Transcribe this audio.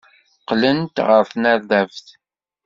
Qqlent ɣer tnerdabt.